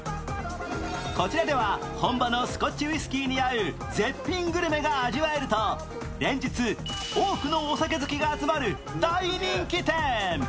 こちらでは本場のスコッチウイスキーに合う絶品グルメが味わえると連日多くのお酒好きが集まる大人気店。